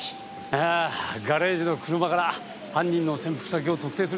いやあガレージの車から犯人の潜伏先を特定するとは。